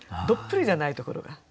どっぷりじゃないところが。